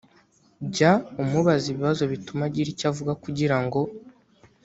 jya umubaza ibibazo bituma agira icyo avuga kugira ngo